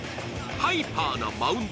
ハイパーなマウンド